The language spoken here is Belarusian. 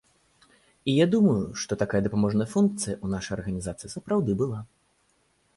І я думаю, што такая дапаможная функцыя ў нашай арганізацыі сапраўды была.